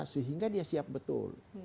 sehingga dia siap betul